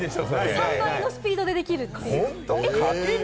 ３倍のスピードでできるという。